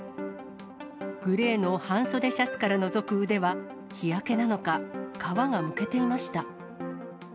グレーの半袖シャツからのぞく腕は、日焼けなのか、皮がむけていました。